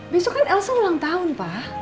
besok kan elsa ulang tahun pak